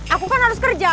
aku kan harus kerja